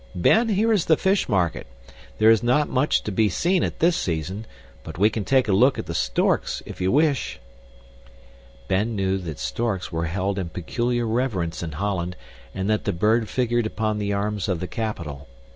Ben, here is the fish market. There is not much to be seen at this season. But we can take a look at the storks if you wish." Ben knew that storks were held in peculiar reverence in Holland and that the bird figured upon the arms of the capital.